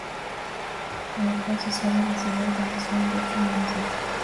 Por lo cual se suele decir que nació en dicho municipio.